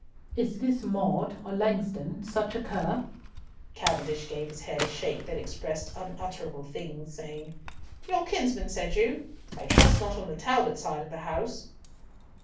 "Is this Maude, or Langston, such a cur?" Cavendish gave his head a shake that expressed unutterable things, saying: "Your kinsman, said you? I trust not on the Talbot side of the house?"